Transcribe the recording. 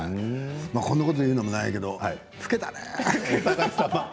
こんなこと言うのもなんやけど老けたね。